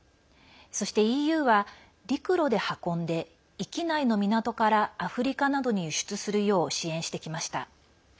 ＥＵは陸路で運んで域内の港からアフリカなどに輸出するよう支援してきました。